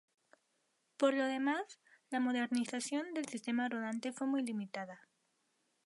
Por lo demás, la modernización del sistema rodante fue muy limitada.